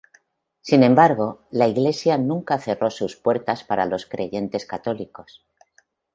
Sin embargo, la iglesia nunca cerró sus puertas para los creyentes católicos.